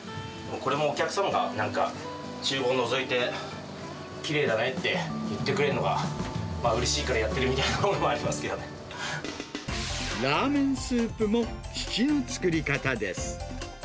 これもお客様がなんかちゅう房のぞいて、きれいだねって言ってくれるのがうれしいからやってるみたいなもラーメンスープも父の作り方です。